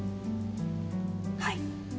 はい。